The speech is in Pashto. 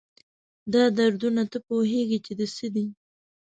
دا دردونه، تۀ پوهېږي چې د څه دي؟